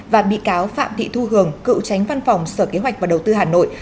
và bị cáo phạm thị thu hường cựu tránh văn phòng sở kế hoạch và đầu tư hà nội